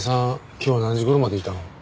今日は何時頃までいたの？